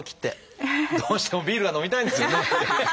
どうしてもビールが飲みたいんですよね。